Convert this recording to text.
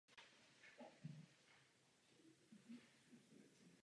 V následujících pozemních bojích přišli o život čtyři američtí vojáci.